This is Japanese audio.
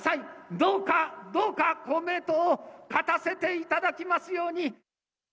どうか、どうか、公明党を勝たせていただきますように。